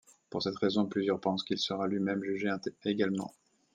Pour cette raison, plusieurs pensent qu'il sera lui-même jugé également.